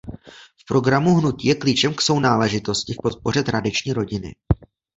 V programu hnutí je klíčem k sounáležitosti v podpoře tradiční rodiny.